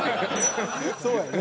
そうですね。